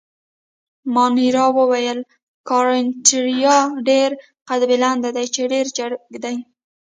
مانیرا وویل: ګراناتیریا ډېر قدبلند دي، چې ډېر جګ دي.